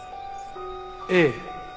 ええ。